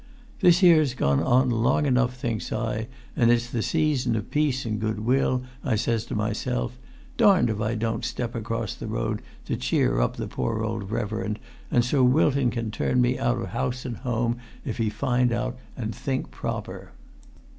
'This here's gone on long enough,' thinks I; 'an' it's the season of peace an' good will,' I says to myself; 'darned if I don't step across the road to cheer up the poor old reverend, an' Sir Wilton can turn me out of house an' home if he find out an' think proper.'